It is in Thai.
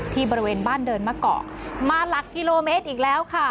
บริเวณบ้านเดินมะเกาะมาหลักกิโลเมตรอีกแล้วค่ะ